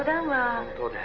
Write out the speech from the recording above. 「本当です。